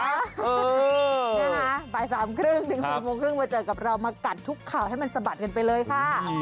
นะคะบ่ายสามครึ่งถึง๔โมงครึ่งมาเจอกับเรามากัดทุกข่าวให้มันสะบัดกันไปเลยค่ะ